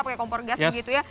pakai kompor gas begitu ya